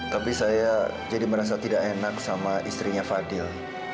tapi saya jadi merasa tidak enak sama istrinya fadil